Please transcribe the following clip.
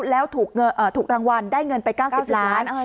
แล้วถูกรางวัลได้เงินไป๙๐ล้าน